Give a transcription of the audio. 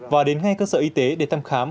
và đến ngay cơ sở y tế để thăm khám